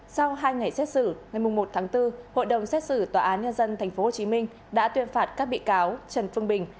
sau hai ngày xét xử ngày một tháng bốn hội đồng xét xử tòa án nhân dân tp hcm đã tuyên phạt các bị cáo trần phương bình